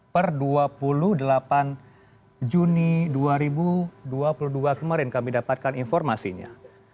per dua puluh delapan juni dua ribu dua puluh dua kemarin kami dapatkan informasinya